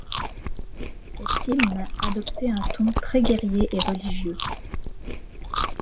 Cet hymne adoptait un ton très guerrier et religieux.